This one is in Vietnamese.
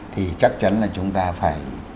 thì chắc chắn là chúng ta phải